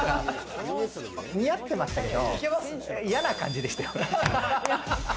似合ってましたけれど、いやな感じでしたよ。